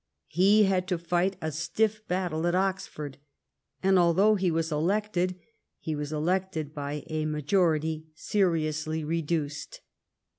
He had to fight a stiff battle at Oxford. And although he was elected, he was elected by a majority seriously reduced.